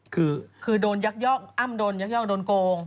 คือโดนยักยอกอ้ำโดนยักยอกโดนโกง